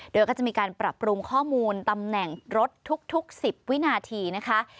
โดยก็จะมีการปรับปรุงข้อมูลตำแหน่งรถทุก๑๐วินาทีนะคะ